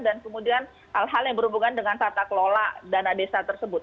dan kemudian hal hal yang berhubungan dengan tata kelola dana desa tersebut